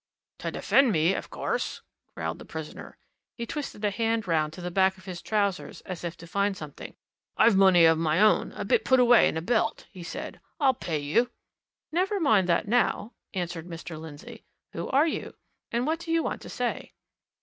"To defend me, of course!" growled the prisoner. He twisted a hand round to the back of his trousers as if to find something. "I've money of my own a bit put away in a belt," he said; "I'll pay you." "Never mind that now," answered Mr. Lindsey. "Who are you? and what do you want to say?"